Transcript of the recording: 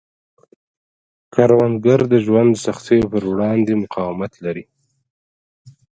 کروندګر د ژوند د سختیو پر وړاندې مقاومت لري